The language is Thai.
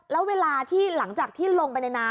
แล้วเวลาที่หลังจากที่ลงไปในน้ำ